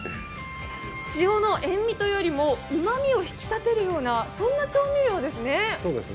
塩の塩味というよりもうまみを引き立てるような調味料ですね。